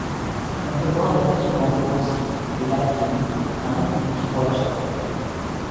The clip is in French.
On peut voir des percements défensifs, des latrines, un oculus pour la chapelle.